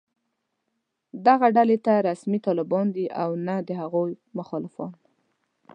دغه ډلې نه رسمي طالبان دي او نه د هغوی مخالفان